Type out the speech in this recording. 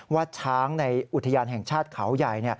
ว่าช้างในอุทยานแห่งชาติเขาใหญ่